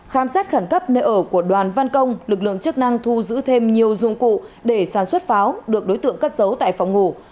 khám xét khẩn cấp nơi ở của đoàn văn công lực lượng chức năng thu giữ thêm nhiều dụng cụ để sản xuất pháo được đối tượng cất giấu tại phòng ngủ